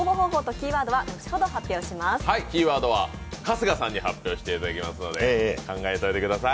キーワードは春日さんに発表していただきますので考えておいてください。